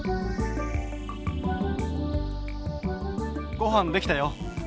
・ごはんできたよ。